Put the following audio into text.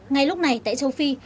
ngay lúc này tại châu phi